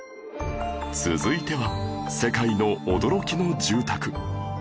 続いては世界の驚きの住宅